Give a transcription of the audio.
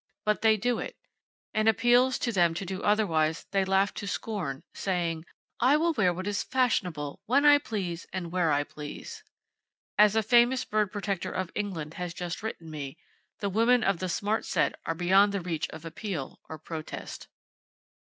But they do it! And appeals to them to do otherwise they laugh to scorn, saying, "I will wear what is fashionable, when I please and where I please!" As a famous bird protector of England has just written me, "The women of the smart set are beyond the reach of appeal or protest."